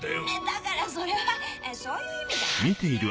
だからそれはそういう意味じゃなくて。